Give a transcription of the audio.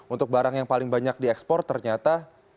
untuk barang yang paling banyak di ekspor ternyata